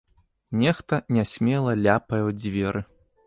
Нехта нясмела ляпае ў дзверы.